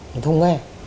nó không nghe